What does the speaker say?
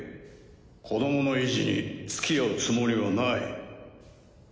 子どもの意地につきあうつもりはない。